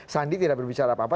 sandi tidak berbicara apa apa